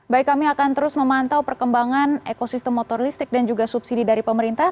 baik kami akan terus memantau perkembangan ekosistem motor listrik dan juga subsidi dari pemerintah